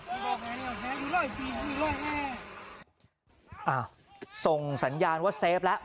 อ้าวส่งสัญญาณว่าเซฟแล้ว